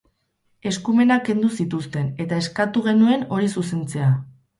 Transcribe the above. Eskumenak kendu zituzten, eta eskatu genuen hori zuzentzea.